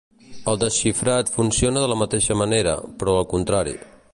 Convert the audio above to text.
El desxifrat funciona de la mateixa manera, però al contrari.